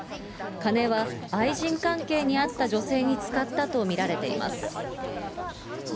金は愛人関係にあった女性に使ったと見られています。